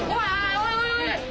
おいおい！